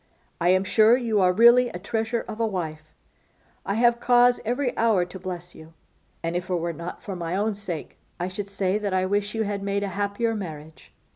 I am sure you are really a treasure of a wife; I have cause every hour to bless you; and, if it were not for my own sake, I should say that I wish you had made a happier marriage.